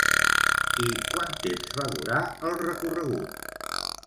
I quant temps va durar el recorregut?